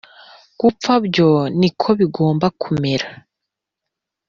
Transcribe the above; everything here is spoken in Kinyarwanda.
gupfa byo niko bigomba kumera